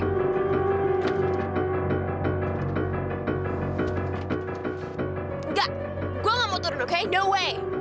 tidak gue gak mau turun oke tidak mungkin